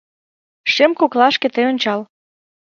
Шем кожлашке тый ончал: